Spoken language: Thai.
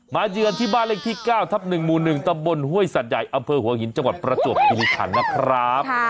เยือนที่บ้านเลขที่๙ทับ๑หมู่๑ตำบลห้วยสัตว์ใหญ่อำเภอหัวหินจังหวัดประจวบคิริขันนะครับ